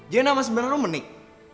dia nama sebenarnya menik